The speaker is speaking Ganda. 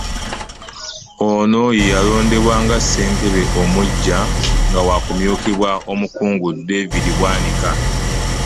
Ono y'eyalondeddwa nga Ssentebe omuggya nga wa kumyukibwa omukungu David Bwanika